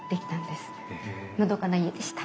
のどかな家でした。